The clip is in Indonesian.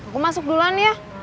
gue masuk duluan ya